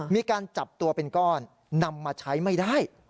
มีการจับตัวเป็นก้อนนำมาใช้ไม่ได้